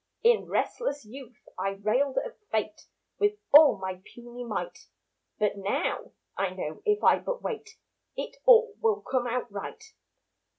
In restless youth I railed at fate With all my puny might, But now I know if I but wait It all will come out right.